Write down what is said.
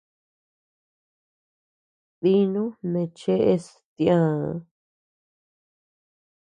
Dínu neʼe cheʼes tiäa.